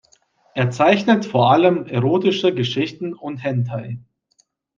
Er zeichnet vor allem erotische Geschichten und Hentai.